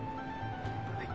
はい。